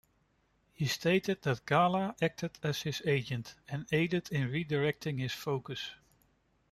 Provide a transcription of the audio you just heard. He stated that Gala acted as his agent, and aided in redirecting his focus.